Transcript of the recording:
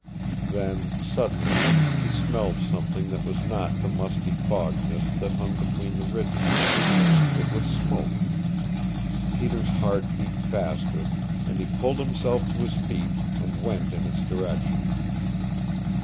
Then, suddenly, he smelled something that was not the musty fog mist that hung between the ridges. It was smoke. Peter's heart beat faster, and he pulled himself to his feet, and went in its direction.